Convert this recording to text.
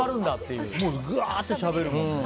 うわーってしゃべるもん